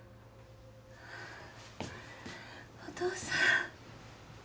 お父さん。